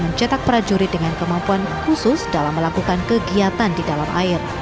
mencetak prajurit dengan kemampuan khusus dalam melakukan kegiatan di dalam air